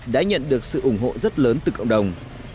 đã nhận được sự ủng hộ rất lớn từ cộng đồng